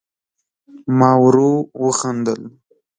ما ورو وخندل